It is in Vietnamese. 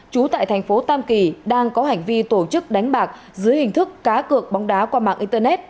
trú tại thành phố tam kỳ đang có hành vi tổ chức đánh bạc dưới hình thức cá cược bóng đá qua mạng internet